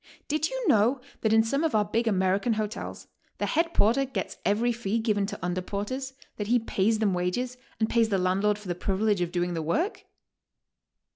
Did you know that in some of our big American hotels the head porter gets every fee given to under porters; that he pays them wages, and pays the land lord for the privilege of doing the work?